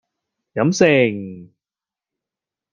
飲勝